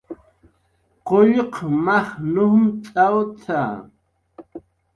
"Qullq maj nujmt'awt""a"